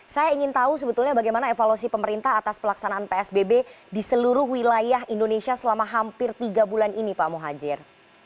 saya ingin tahu sebetulnya bagaimana evaluasi pemerintah atas pelaksanaan psbb di seluruh wilayah indonesia selama hampir tiga bulan ini pak muhajir